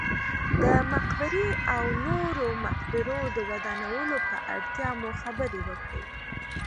د مقبرې او نورو مقبرو د ودانولو پر اړتیا مو خبرې وکړې.